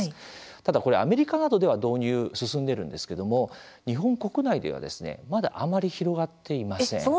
ただ、これアメリカなどでは導入が進んでいるんですけれども日本国内ではまだ、あまり広がっていません。